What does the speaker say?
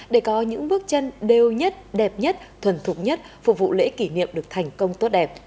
để có những bước chân đều nhất đẹp nhất thuần thục nhất phục vụ lễ kỷ niệm được thành công tốt đẹp